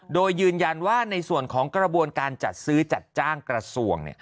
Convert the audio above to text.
โดยยืนยันว่าในส่วนของกระบวนการจัดซื้อจัดจ้างกระทรวง